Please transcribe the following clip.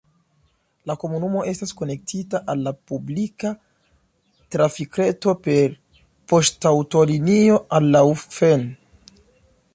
La komunumo estas konektita al la publika trafikreto per poŝtaŭtolinio al Laufen.